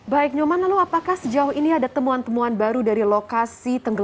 baik nyoman lalu apakah sejauh ini ada temuan temuan baru dari lokasi tenggelam